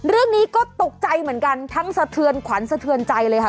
เรื่องนี้ก็ตกใจเหมือนกันทั้งสะเทือนขวัญสะเทือนใจเลยค่ะ